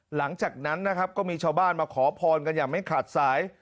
หลังจากนั้นนะครับก็มีชาวบ้านมาขอพรกันอย่างไม่ขาดสาย